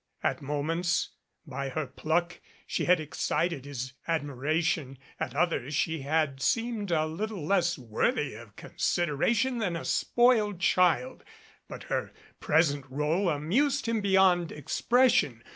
At moments, by her pluck she had excited his admiration, at others she had seemed a little less worthy of consideration than a spoiled child, but her present role amused him beyond expres sion.